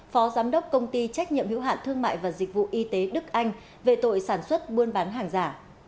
phó giám đốc công ty trách nhiệm hữu hạn thương mại và dịch vụ y tế đức anh về tội sản xuất buôn bán hàng giả